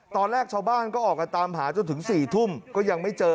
ตอนแรกชาวบ้านก็ออกกันตามหาจนถึง๔ทุ่มก็ยังไม่เจอ